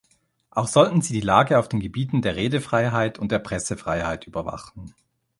Auch sollten sie die Lage auf den Gebieten der Redefreiheit und der Pressefreiheit überwachen.